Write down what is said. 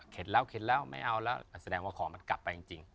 แล้วเข็นแล้วไม่เอาแล้วแสดงว่าของมันกลับไปจริง